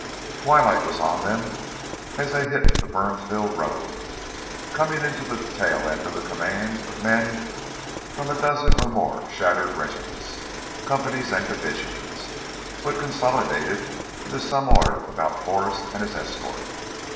Twilight was on them as they hit the Burnsville road, coming into the tail end of the command of men from a dozen or more shattered regiments, companies, and divisions, who had consolidated in some order about Forrest and his escort.